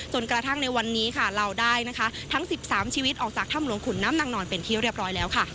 กระทั่งในวันนี้ค่ะเราได้นะคะทั้ง๑๓ชีวิตออกจากถ้ำหลวงขุนน้ำนางนอนเป็นที่เรียบร้อยแล้วค่ะ